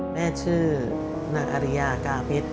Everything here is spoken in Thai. แม่ชื่อนางอริยากาเพชร